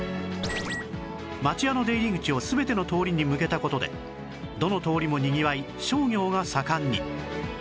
町屋の出入り口を全ての通りに向けた事でどの通りもにぎわい商業が盛んに